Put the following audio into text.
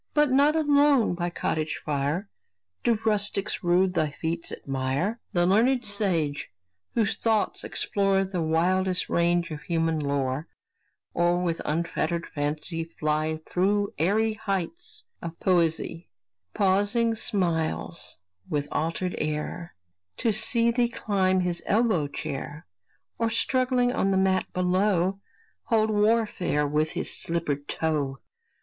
But not alone by cottage fire Do rustics rude thy feats admire. The learned sage, whose thoughts explore The widest range of human lore, Or with unfettered fancy fly Through airy heights of poesy, Pausing smiles with altered air To see thee climb his elbow chair, Or, struggling on the mat below, Hold warfare with his slippered toe.